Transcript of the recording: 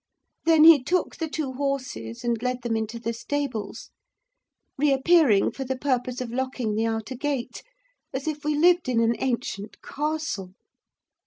Then he took the two horses, and led them into the stables; reappearing for the purpose of locking the outer gate, as if we lived in an ancient castle.